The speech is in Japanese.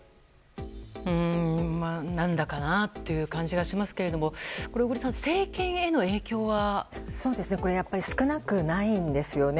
何だかなあっていう感じがしますが小栗さん政権への影響は？少なくないんですよね。